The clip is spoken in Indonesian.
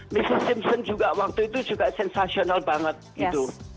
mrs simpson juga waktu itu juga sensasional banget